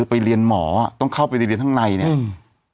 ไปเรียนหมอต้องเข้าไปเรียนฮั่งในเนี่ย